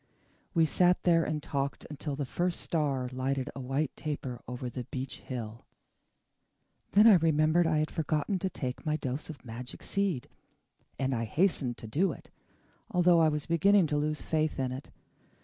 We sat there and talked until the first star lighted a white taper over the beech hill. Then I remembered that I had forgotten to take my dose of magic seed, and I hastened to do it, although I was beginning to lose faith in it.